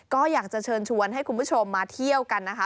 ก็อยากจะเชิญชวนให้คุณผู้ชมมาเที่ยวกันนะคะ